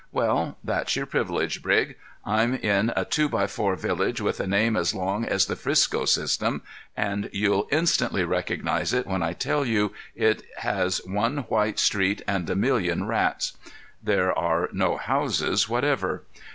Well, that's your privilege, Brig. I'm in a two by four village with a name as long as the Frisco System, and you'll instantly recognize it when I tell you it has one white street and a million rats. There are no houses whatever.